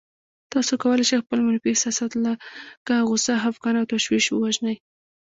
تاسې کولای شئ خپل منفي احساسات لکه غوسه، خپګان او تشويش ووژنئ.